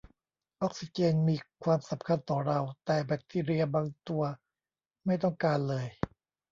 ออกซิเจนมีความสำคัญต่อเรา แต่แบคทีเรียบางตัวไม่ต้องการเลย